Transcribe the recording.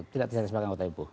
tidak tercatat sebagai anggota ibu